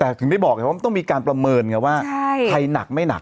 แต่ถึงได้บอกไงว่ามันต้องมีการประเมินไงว่าใครหนักไม่หนัก